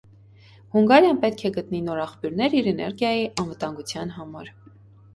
Հունգարիան պետք է գտնի նոր աղբյուրներ իր էներգիայի անվտանգության համար։